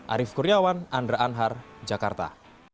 arief kurniawan andra anhar jakarta